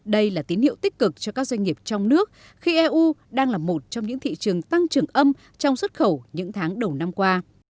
đây là tín hiệu tích cực cho các doanh nghiệp trong nước khi eu đang là một trong những thị trường tăng trưởng âm trong xuất khẩu những tháng đầu năm qua